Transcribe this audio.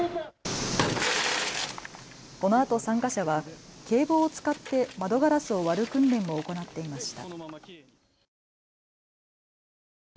このあと参加者は警棒を使って窓ガラスを割る訓練も行っていました。